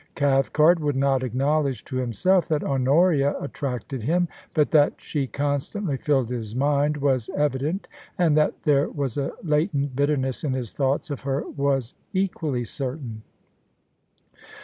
Cathcart would not acknow ledge to himself that Honoria attracted him ; but that she constantly filled his mind was evident, and that there was a latent bitterness in his thoughts of her was equally certain.